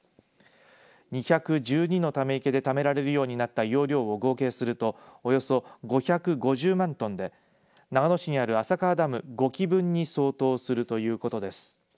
２１２のため池でためられるようになった容量を合計するとおよそ５５０万トンで長野市にある浅川ダム５基分に相当するということです。